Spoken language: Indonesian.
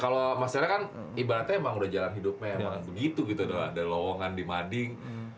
kalau mas yara kan ibaratnya emang udah jalan hidupnya emang begitu gitu ada lowongan di mading